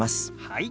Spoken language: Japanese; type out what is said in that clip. はい。